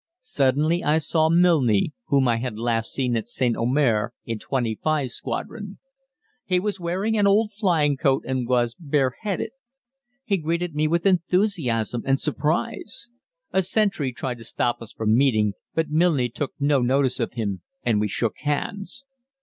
Suddenly I saw Milne, whom I had last seen at St. Omer in 25 Squadron. He was wearing an old flying coat and was bareheaded. He greeted me with enthusiasm and surprise. A sentry tried to stop us from meeting, but Milne took no notice of him, and we shook hands.